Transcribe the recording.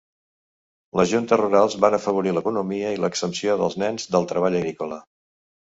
Les juntes rurals van afavorir l'economia i l'exempció dels nens del treball agrícola.